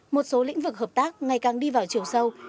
một số lĩnh vực hợp tác ngày càng đi vào chiều sâu